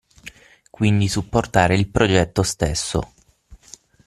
Quindi supportare il progetto stesso.